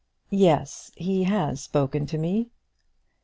"Yes, he has spoken to me."